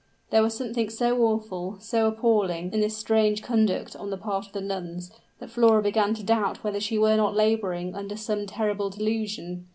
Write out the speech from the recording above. There was something so awful so appalling in this strange conduct on the part of the nuns, that Flora began to doubt whether she were not laboring under some terrible delusion.